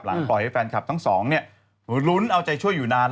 ปล่อยให้แฟนคลับทั้งสองเนี่ยลุ้นเอาใจช่วยอยู่นาน